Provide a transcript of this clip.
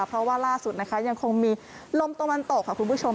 เพราะว่าล่าสุดนะคะยังคงมีลมตะวันตกค่ะคุณผู้ชม